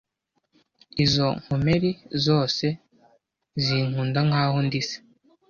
Izo nkomeri zose zinkunda nk'aho ndi se.